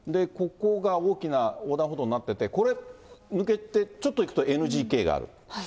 ここが大きな横断歩道になってて、これ、抜けてちょっと行くとＮＧＫがある。